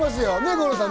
五郎さん。